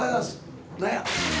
何や？